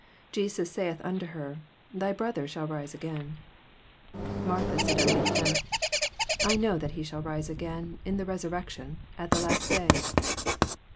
23 Jesus saith unto her. Thy brother •hall rise again. 24 Martha saith unto him, I know that he shall rise again in the resor rection at the last day.